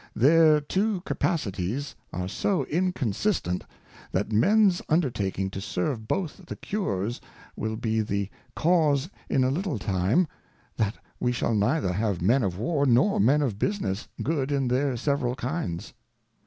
Their Two Capacities are so inconsistent, that Mens under taking to serve both the Cures, will be the cause in a little time, that we shall neither have Men of War, nor Men of Business, good in their several kinds.